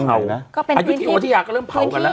อายุโทยก็เริ่มเผากันล่ะ